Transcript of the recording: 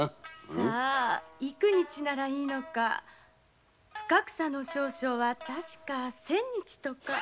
さぁ幾日ならいいのか深草の少将はたしか千日とか。